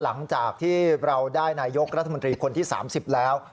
หลังจากที่เราได้นายกรัฐมนตรีคนที่๓๐แล้ว